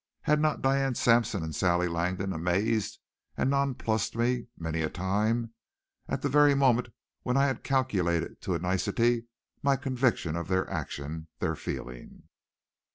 Had not Diane Sampson and Sally Langdon amazed and nonplused me many a time, at the very moment when I had calculated to a nicety my conviction of their action, their feeling?